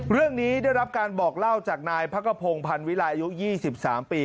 ได้รับการบอกเล่าจากนายพักกระพงพันวิรายอายุ๒๓ปี